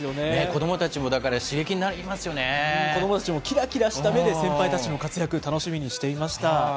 子どもたちもだから、刺激に子どもたちもきらきらした目で先輩たちの活躍、楽しみにしていました。